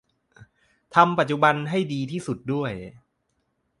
ทำปัจจุบันให้ดีที่สุดด้วย